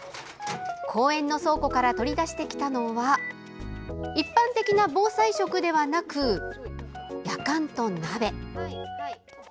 公園の倉庫から取り出してきたのは一般的な防災食ではなくやかんと鍋。